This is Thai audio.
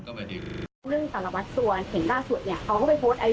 ผมก็ไปโพสต์ไอจีแบบอยู่บุรกีแล้วขอบคุณที่